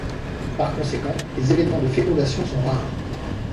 Par conséquent, les événements de fécondation sont rares.